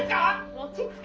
「落ち着け！